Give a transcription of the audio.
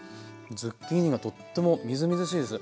ズッキーニがとってもみずみずしいです。